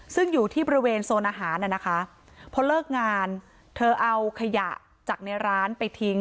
ซึ่งอยู่ที่บริเวณโซนอาหารน่ะนะคะพอเลิกงานเธอเอาขยะจากในร้านไปทิ้ง